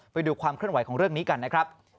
ไปดูความเคลื่อนไหวของเรื่องนี้กันนะครับ